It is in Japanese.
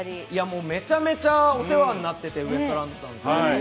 めちゃめちゃお世話になっててウエストランドさんには。